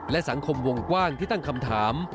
และสังคมวงกว้างที่ตั้งคำถาม